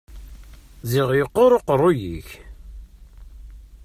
Ziɣ iqqur uqeṛṛuy-ik!